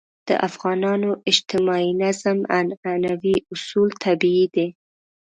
د افغانانو اجتماعي نظم عنعنوي اصول طبیعي دي.